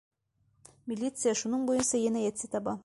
Милиция шуның буйынса енәйәтсене таба.